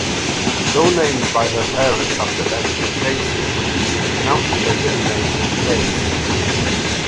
Though named by her parents after Edgar Cayce, she pronounces her given name "Case".